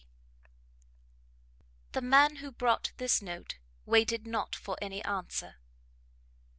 D. The man who brought this note, waited not for any answer.